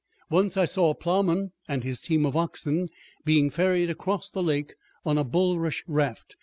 Once I saw a ploughman and his team of oxen being ferried across the lake on a bulrush raft.